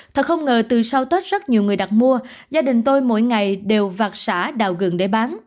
thật không ngờ từ sau tết rất nhiều người đặt mua gia đình tôi mỗi ngày đều vặt xã đào gừng để bán